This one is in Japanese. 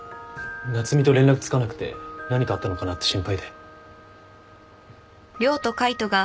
夏海と連絡つかなくて何かあったのかなって心配で。